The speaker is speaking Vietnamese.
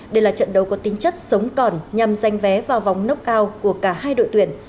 đây là trận đấu có tính chất sống còn nhằm giành vé vào vòng nốt cao của cả hai đội tuyển